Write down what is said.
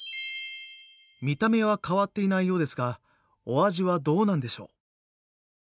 見た目は変わっていないようですがお味はどうなんでしょう？